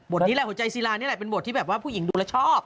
นี้แหละหัวใจศิลานี่แหละเป็นบทที่แบบว่าผู้หญิงดูแล้วชอบ